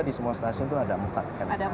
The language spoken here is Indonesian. di semua stasiun itu ada empat